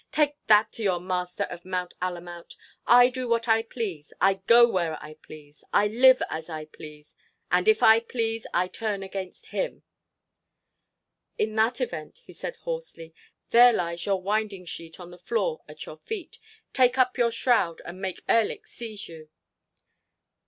Take that to your Master of Mount Alamout! I do what I please; I go where I please; I live as I please. And if I please, I turn against him!" "In that event," he said hoarsely, "there lies your winding sheet on the floor at your feet! Take up your shroud; and make Erlik seize you!"